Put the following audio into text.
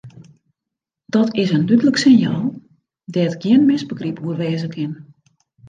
Dat is in dúdlik sinjaal dêr't gjin misbegryp oer wêze kin.